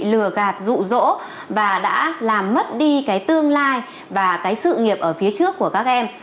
lừa gạt rụ rỗ và đã làm mất đi cái tương lai và cái sự nghiệp ở phía trước của các em